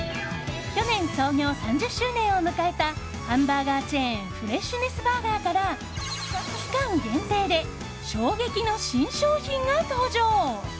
去年、創業３０周年を迎えたハンバーガーチェーンフレッシュネスバーガーから期間限定で衝撃の新商品が登場。